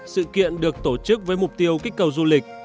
sự kiện được tổ chức với mục tiêu kích cầu du lịch